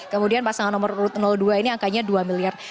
kemudian pasangan nomor urut dua ini angkanya dua miliar